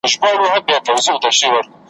نه غماز راته دېره وي نه سهار سي له آذانه `